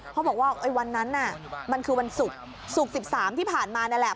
เขาบอกว่าวันนั้นน่ะมันคือวันศุกร์ศุกร์๑๓ที่ผ่านมานั่นแหละ